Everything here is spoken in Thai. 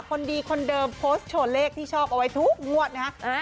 คนดีคนเดิมโพสต์โชว์เลขที่ชอบเอาไว้ทุกงวดนะฮะ